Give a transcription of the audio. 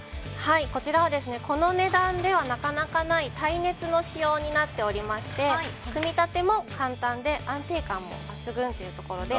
こちらはこの値段ではなかなかない耐熱の仕様になっておりまして組み立ても簡単で安定感も抜群というところで。